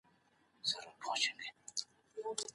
تېز مرچ مه خورئ.